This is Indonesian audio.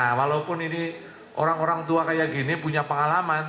nah walaupun ini orang orang tua kayak gini punya pengalaman